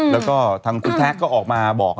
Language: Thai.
แล้วก็ทางคุณแท็กก็ออกมาบอก